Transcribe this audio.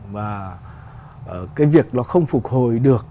và cái việc nó không phục hồi được